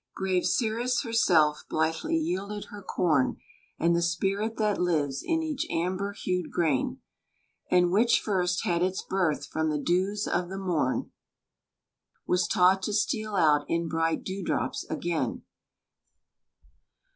Grave Ceres herself blithely yielded her corn, And the spirit that lives in each amber hued grain, And which first had its birth from the dews of the morn, Was taught to steal out in bright dew drops again.